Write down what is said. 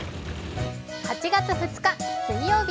８月２日水曜日。